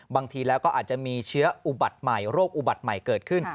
บางทีแล้วก็อาจจะมีเชื้ออุบัติใหม่โรคอุบัติใหม่เกิดขึ้น